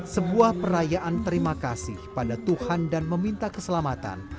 sebuah perayaan terima kasih pada tuhan dan meminta keselamatan